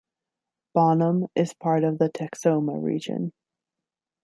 Bonham is part of the Texoma region.